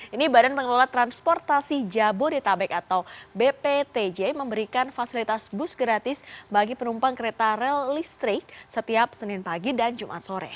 ini badan pengelola transportasi jabodetabek atau bptj memberikan fasilitas bus gratis bagi penumpang kereta rel listrik setiap senin pagi dan jumat sore